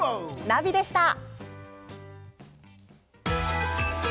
ナビでした。